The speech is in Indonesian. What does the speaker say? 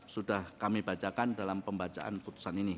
sudah kami bacakan dalam pembacaan putusan ini